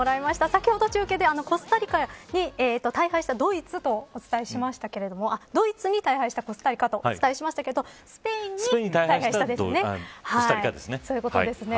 先ほど中継でコスタリカに大敗したドイツとお伝えしましたけれどもドイツに大敗したコスタリカとお伝えしましたがスペインに大敗したですね。